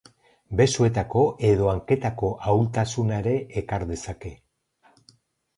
Besoetako edo hanketako ahultasuna ere ekar dezake.